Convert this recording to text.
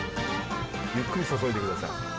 ゆっくり注いでください。